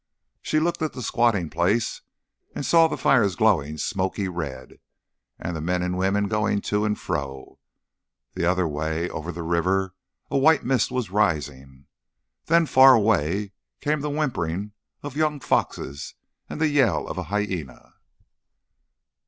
She looked at the squatting place and saw the fires glowing smoky red, and the men and women going to and fro. The other way, over the river, a white mist was rising. Then far away came the whimpering of young foxes and the yell of a hyæna.